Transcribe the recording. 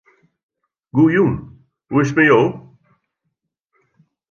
Goejûn, hoe is 't mei jo?